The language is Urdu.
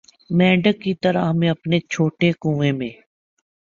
مینڈک کی طرح ہمیں اپنے چھوٹے کنوئیں میں